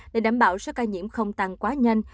để đảm bảo số ca nhiễm không tăng quá nhanh